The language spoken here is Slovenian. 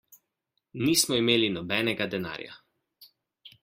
Nismo imeli nobenega denarja.